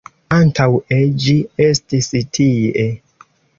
Antaŭe ĝi estis tie.